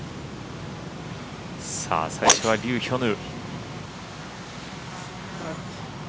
最初はリュー・ヒョヌ。